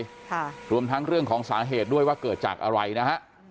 ค่ะรวมทั้งเรื่องของสาเหตุด้วยว่าเกิดจากอะไรนะฮะ